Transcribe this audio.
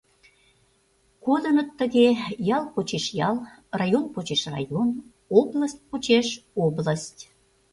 Кодыныт тыге ял почеш ял, район почеш район, область почеш область.